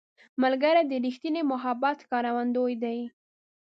ملګری د ریښتیني محبت ښکارندوی دی